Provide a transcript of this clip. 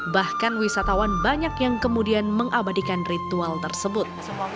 bahkan wisatawan banyak yang kemudian mengabadikan ritual tersebut